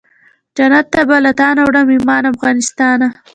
جنت ته به له تانه وړم ایمان افغانستانه